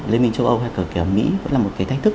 liên minh châu âu hay cả kẻ mỹ vẫn là một cái thách thức